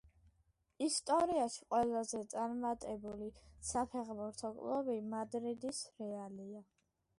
ისტორიაში ყველაზე წარმატებული საფეხბურთო კლუბი მადრიდის რეალია,